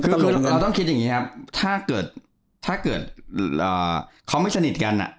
คือเราต้องคิดอย่างนี้ครับถ้าเกิดถ้าเกิดเขาไม่สนิทกัน